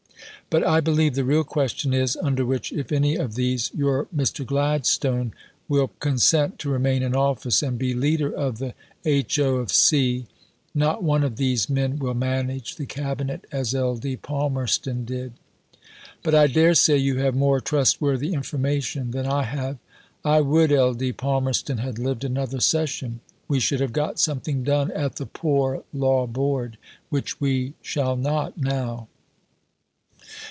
But I believe the real question is, under which (if any) of these, your Mr. Gladstone will consent to remain in office and be Leader of the Ho. of C. Not one of these men will manage the cabinet as Ld. Palmerston did. But I daresay you have more trustworthy information than I have. I would Ld. Palmerston had lived another Session. We should have got something done at the Poor Law Board, which we shall not now.